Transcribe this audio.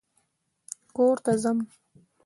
کور ته ځم